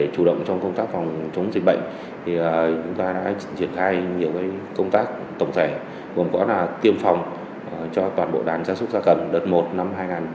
tổng thể gồm có tiêm phòng cho toàn bộ đàn gia súc da cầm đợt một năm hai nghìn một mươi chín